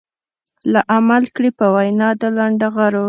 لا عمل کړي په وينا د لنډغرو.